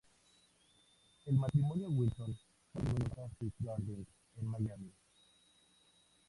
El matrimonio Wilson fueron antiguos dueños del "Fantastic Gardens de Miami".